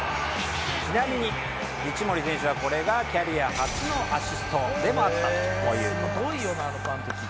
ちなみに一森選手はこれがキャリア初のアシストでもあったという事です。